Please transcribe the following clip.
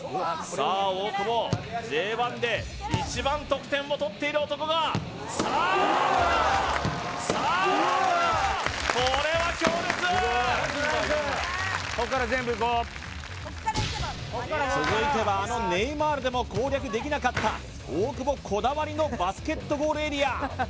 さあ大久保Ｊ１で一番得点を取っている男がこれは強烈続いてはあのネイマールでも攻略できなかった大久保こだわりのバスケットゴールエリア